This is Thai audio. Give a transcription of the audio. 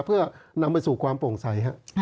เพื่อนำไปสู่ความโปร่งใส